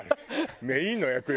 メインの役よ？